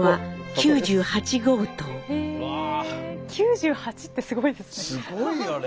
９８ってすごいですね。